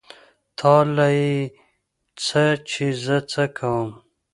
تا له يې څه چې زه څه کوم.